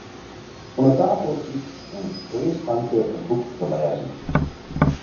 Oan 'e tafel siet in kreas famke in boek te lêzen.